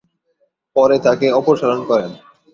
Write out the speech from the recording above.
পরে তাকে অপসারণ করেন।